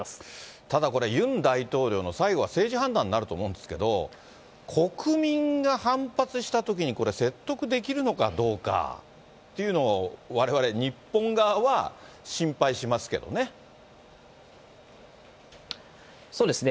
ただこれ、ユン大統領の最後は、政治判断になると思うんですけど、国民が反発したときにこれ、説得できるのかどうかっていうのを、われわれ日本側は心配しますけどね。